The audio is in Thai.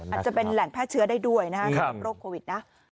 อาจจะเป็นแหล่งแพทย์เชื้อได้ด้วยนะครับโรคโควิดนะ